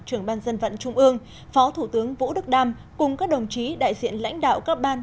trưởng ban dân vận trung ương phó thủ tướng vũ đức đam cùng các đồng chí đại diện lãnh đạo các ban